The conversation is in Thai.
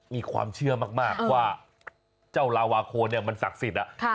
มีความเชื่อมากว่าเจ้าลาวาโคเนี่ยมันศักดิ์สิทธิ์